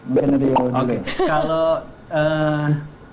mungkin rio dulu